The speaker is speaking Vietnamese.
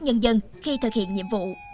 nhân dân khi thực hiện nhiệm vụ